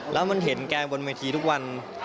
แล้วมันเห็นแกบนเวทีทุกวัน